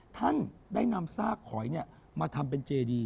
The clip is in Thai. ท่านได้นำซากหอยมาทำเป็นเจดี